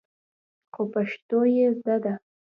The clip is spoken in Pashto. خو پښتو يې زده ده.